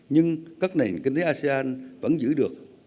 nhưng các nền kinh tế asean vẫn giữ được